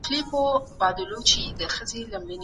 د مجرمینو لپاره په قانون کي سزا سته.